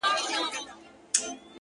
صدقه دي سم تر تكو تورو سترگو.!